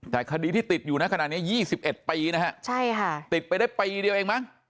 แต่คดีที่ติดอยู่นะขนาดนี้๒๑ปีนะฮะใช่ค่ะติดไปได้ปีเดียวเองมั้ง